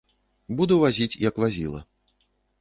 Буду вазіць як вазіла.